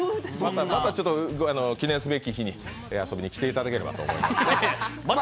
また記念すべき日に遊びに来ていただければと思います。